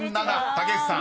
竹内さん］